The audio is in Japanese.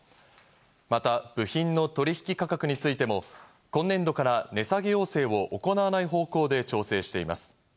また部品の取引価格についても、今年度から値下げ要請を行わない方向で調整しています。